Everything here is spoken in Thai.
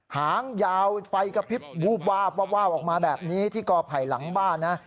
หางยาวไฟกระพริบวูบวาบวาบออกมาแบบนี้ที่กอไผ่หลังบ้านนะ